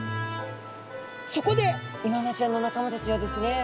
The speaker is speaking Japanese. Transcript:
そこでイワナちゃんの仲間たちはですね